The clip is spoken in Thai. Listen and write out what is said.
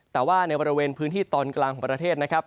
แต่ว่าในบริเวณพื้นที่ตอนกลางของประเทศนะครับ